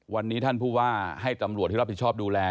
วันนี้ท่านผู้ว่าให้ตำรวจที่รับผิดชอบดูแล